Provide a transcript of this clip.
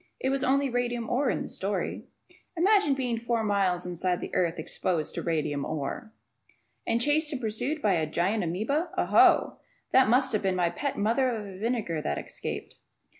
It was only radium ore in the story. Ed.] Imagine being four miles inside of the earth exposed to radium "ore"! And chased and pursued by a gigantic amoeba! Oh, oh! That must have been my pet mother of vinegar that escaped.